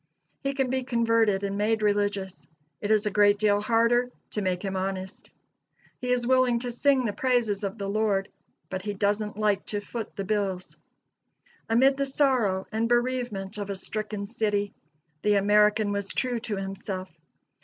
He can be converted and made religious; it is a great deal harder to make him honest. He is willing to sing the praises of the Lord, but he doesn't like to foot the bills. Amid the sorrow and bereavement of a stricken city, the American was true to himself.